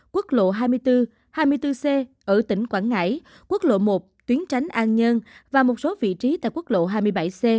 quốc lộ hai mươi bốn hai mươi bốn c ở tỉnh quảng ngãi quốc lộ một tuyến tránh an nhơn và một số vị trí tại quốc lộ hai mươi bảy c